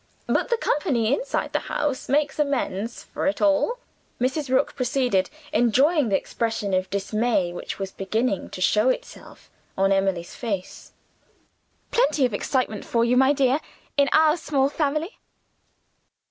But the company, inside the house, makes amends for it all," Mrs. Rook proceeded, enjoying the expression of dismay which was beginning to show itself on Emily's face. "Plenty of excitement for you, my dear, in our small family.